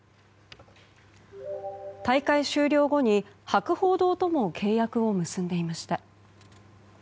大会終了後に博報堂とも契約を結んでいました。